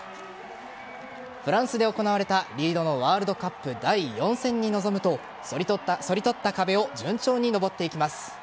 フランスで行われたリードのワールドカップ第４戦に臨むと反り立った壁を順調に登っていきます。